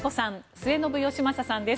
末延吉正さんです。